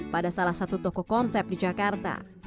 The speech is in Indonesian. pada salah satu toko konsep di jakarta